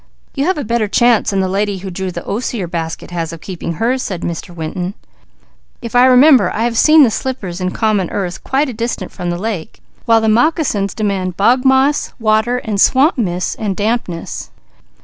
"You have a better chance than the lady who drew the osier basket has of keeping hers," said Mr. Winton. "If I remember I have seen the slippers in common earth quite a distance from the lake, while the moccasins demand bog moss, water and swamp mists and dampness."